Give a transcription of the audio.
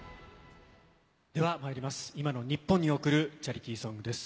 ではまいります、今の日本に贈るチャリティーソングです。